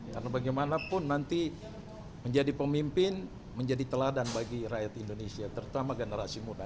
karena bagaimanapun nanti menjadi pemimpin menjadi teladan bagi rakyat indonesia terutama generasi muda